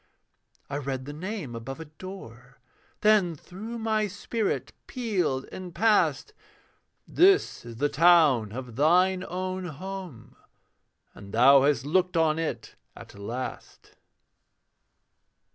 I read the name above a door, Then through my spirit pealed and passed: 'This is the town of thine own home, And thou hast looked on it at last.'